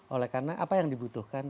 oleh karena apa yang dibutuhkan